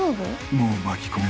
もう巻き込めない。